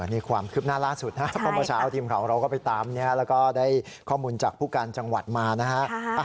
นี่ความคืบหน้าล่าสุดนะครับเพราะเมื่อเช้าทีมข่าวเราก็ไปตามนี้แล้วก็ได้ข้อมูลจากผู้การจังหวัดมานะฮะ